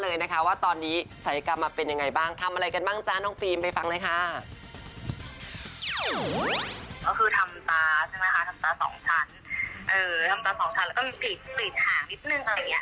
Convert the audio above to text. เออทำตาสองชั้นแล้วก็ติดห่างนิดหนึ่งอะไรอย่างนี้